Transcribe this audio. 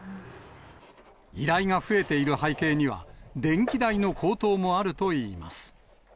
依頼が増えている背景には、電気代の高騰もあるといいます。